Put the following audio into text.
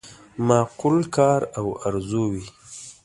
معقول کار او آرزو وي.